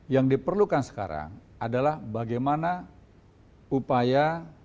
yang diperlukan sekarang adalah bagaimana upaya